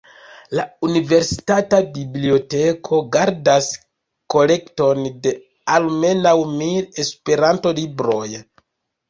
La universitata biblioteko gardas kolekton de almenaŭ mil Esperanto-libroj.